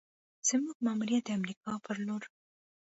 زما ماموریت د امریکا پر لور: